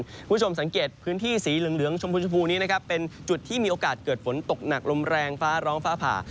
คุณผู้ชมสังเกตพื้นที่สีเหลืองชมพูชมพูนี้นะครับเป็นจุดที่มีโอกาสเกิดฝนตกหนักลมแรงฟ้าร้องฟ้าผ่า